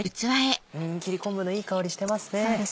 ん切り昆布のいい香りしてますね。